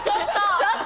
ちょっと！